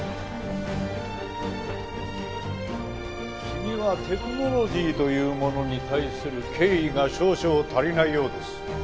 君はテクノロジーというものに対する敬意が少々足りないようです。